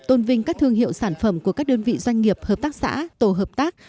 tôn vinh các thương hiệu sản phẩm của các đơn vị doanh nghiệp hợp tác xã tổ hợp tác